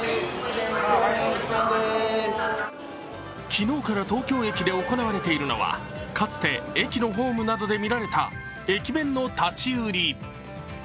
昨日から東京駅で行われているのはかつて駅のホームなどで見られた駅弁の立ち売り。